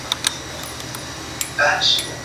但不久后并发症突发骤逝。